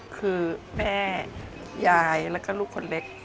คือแม่ยายแล้วก็ลูกคนเล็ก